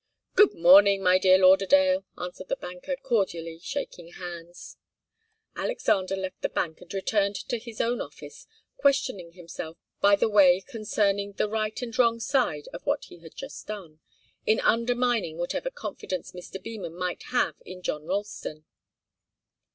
"Good morning, my dear Lauderdale," answered the banker, cordially shaking hands. Alexander left the bank and returned to his own office, questioning himself by the way concerning the right and wrong side of what he had just done, in undermining whatever confidence Mr. Beman might have in John Ralston.